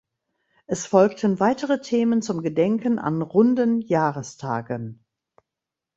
Es folgten weitere Themen zum Gedenken an runden Jahrestagen.